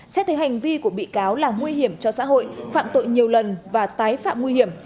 xét thấy hành vi của bị cáo là nguy hiểm cho xã hội phạm tội nhiều lần và tái phạm nguy hiểm